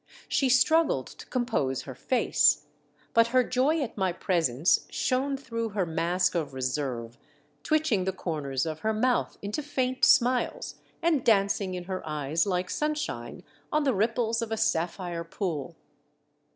She struggled to compose her face, but her joy at my presence shone through her mask of reserve, twitching the corners of her mouth into faint smiles, and dancing in her eyes like sunshine on the ripples of a sapphire pool.